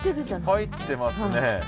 入ってますね。